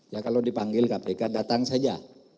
ya kalau dipanggil kpk datang saja